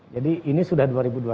jadi ini sudah dua ribu dua puluh satu